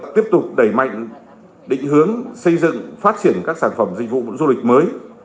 tiếp tục đẩy mạnh định hướng xây dựng phát triển các sản phẩm dịch vụ du lịch mới